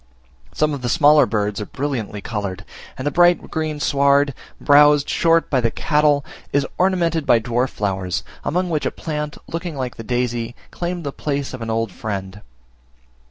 Some of the smaller birds are brilliantly coloured; and the bright green sward, browsed short by the cattle, is ornamented by dwarf flowers, among which a plant, looking like the daisy, claimed the place of an old friend.